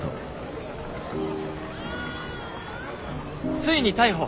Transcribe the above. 「ついに逮捕！